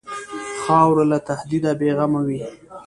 خاوره له تهدیده بېغمه وي.